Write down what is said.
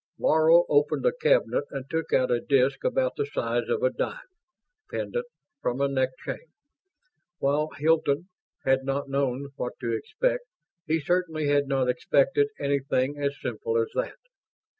Laro opened a cabinet and took out a disk about the size of a dime, pendant from a neck chain. While Hilton had not known what to expect, he certainly had not expected anything as simple as that.